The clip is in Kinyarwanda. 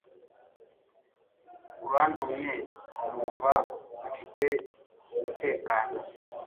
Urantumye numva mfite umutekano